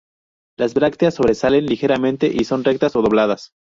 Las brácteas sobresalen ligeramente y son rectas o dobladas.